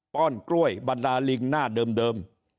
้อนกล้วยบรรดาลิงหน้าเดิม